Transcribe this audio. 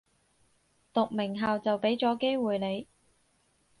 讀名校就畀咗機會你